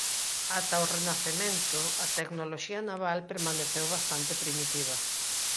Ata o Renacemento a tecnoloxía naval permaneceu bastante primitiva.